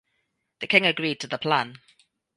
The king agreed to the plan.